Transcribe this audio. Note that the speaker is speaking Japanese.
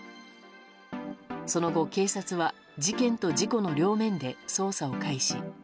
その後、警察は事件と事故の両面で捜査を開始。